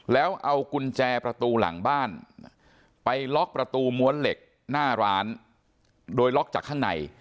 แล้วเอากุญแจประตูหลังบ้านไปล็อกประตูม้วนเหล็กหน้าร้านโดยล็อกจากข้างใน